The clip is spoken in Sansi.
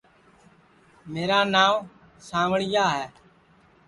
میرا نانٚو سانٚوݪِیا ہے